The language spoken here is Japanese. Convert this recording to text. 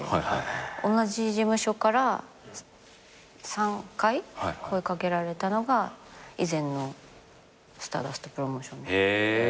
同じ事務所から３回声掛けられたのが以前のスターダストプロモーション。